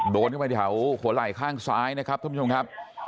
โดนเข้าไปแถวหัวไหล่ข้างซ้ายนะครับท่านผู้ชมครับ